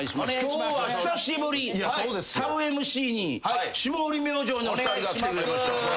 今日は久しぶりサブＭＣに霜降り明星の２人が来てくれました。